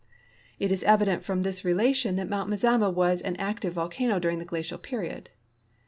It is evident from this relation that Mount Mazama was an active volcano during the glacial period.